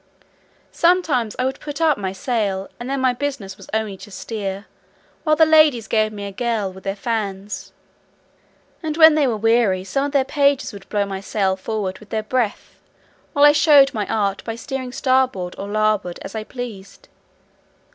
Sometimes I would put up my sail, and then my business was only to steer, while the ladies gave me a gale with their fans; and, when they were weary, some of their pages would blow my sail forward with their breath, while I showed my art by steering starboard or larboard as I pleased.